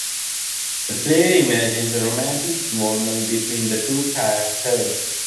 The play imagines a romantic involvement between the two characters.